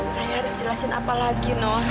saya harus jelasin apa lagi nok